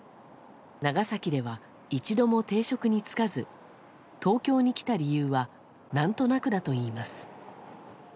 長崎では一度も定職に就かず東京に来た理由は何となくだといいます。